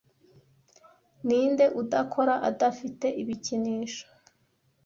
ninde udakora adafite ibikinisho